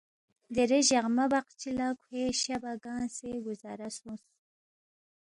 دیرے جقما بقچی لہ کھوے شہ بہ گنگسے گُزارہ سونگس